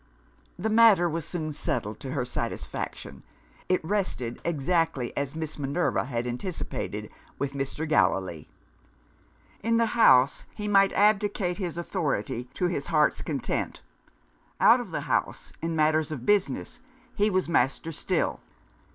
The matter was soon settled to her satisfaction. It rested (exactly as Miss Minerva had anticipated) with Mr. Gallilee. In the house, he might abdicate his authority to his heart's content. Out of the house, in matters of business, he was master still.